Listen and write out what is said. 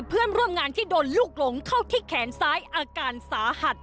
เพื่อนร่วมงานที่โดนลูกหลงเข้าที่แขนซ้ายอาการสาหัส